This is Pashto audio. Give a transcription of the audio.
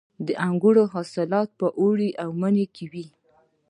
د انګورو حاصلات په اوړي او مني کې وي.